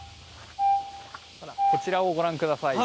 こちらをご覧ください。